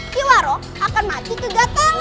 kiwarok akan mati kegatalan